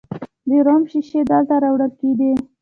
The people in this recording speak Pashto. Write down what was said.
د روم شیشې دلته راوړل کیدې